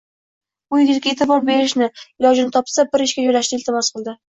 bu yigitga e'tibor berishni, ilojini topsa bir ishga joylashni iltimos qildi.